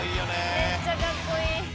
「めっちゃかっこいい！」